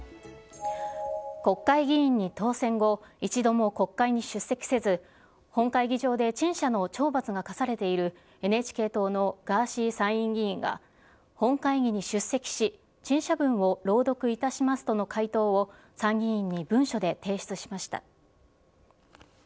国会議員に当選後、一度も国会に出席せず、本会議場で陳謝の懲罰が科されているＮＨＫ党のガーシー参院議員が、本会議に出席し、陳謝文を朗読いたしますとの回答を参議院に文書で提出しました。